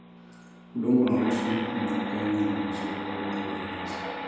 udongo unaruhusu maji kupenya ni mzuri kwa viazi